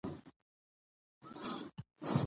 دا خیرات دی که ښادي که فاتحه ده